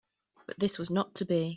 But this was not to be.